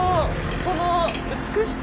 この美しさ！